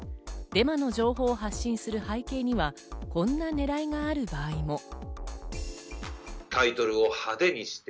デマの情報を発信する背景にはこんなねらいがある場合も。